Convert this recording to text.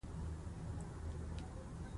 دوی د وییکو د جوړښت په اړه خبرې کوي.